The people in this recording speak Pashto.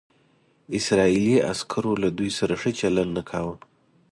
اسرائیلي عسکرو له دوی سره ښه چلند نه کاوه.